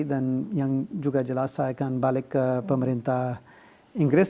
dan yang juga jelas saya akan balik ke pemerintah inggris